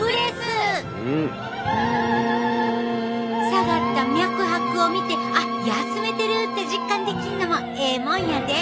下がった脈拍を見てあっ休めてるって実感できるのもええもんやで。